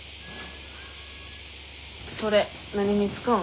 それ何に使うん？